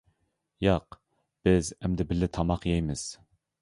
-ياق، بىز ئەمدى بىللە تاماق يەيمىز.